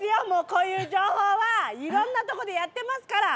こういう情報はいろんな所でやってますから！